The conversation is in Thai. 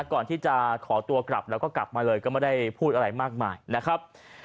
ก่อนที่จะขอตัวกลับแล้วก็กลับมาเลยก็ไม่ได้พูดอะไรมากมายนะครับ